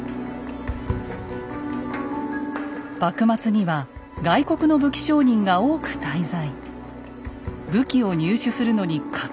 幕末には外国の武器商人が多く滞在。